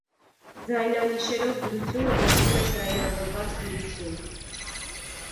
Ձայնանիշերով գրությունը կոչվում է ձայնավորված գրություն։